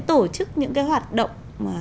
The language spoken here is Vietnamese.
tổ chức những cái hoạt động